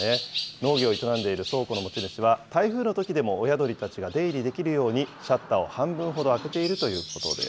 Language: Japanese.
農業を営んでいる倉庫の持ち主は、台風のときでも親鳥たちが出入りできるように、シャッターを半分ほど開けているということです。